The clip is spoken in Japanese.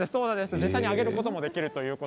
実際に揚げることができます。